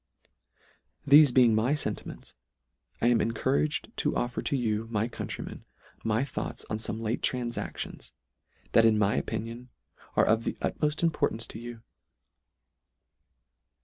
Thefe being my fentiments, I am encou raged to offer to you, my countrymen, my thoughts on fome late tranfactions, that in (a) Pope. L ETTER I . 7 my opinion are of the utmoft importance to you.